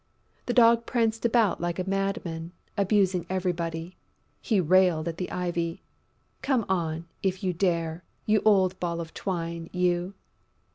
The Dog pranced about like a madman, abusing everybody. He railed at the Ivy: "Come on, if you dare, you old ball of twine, you!"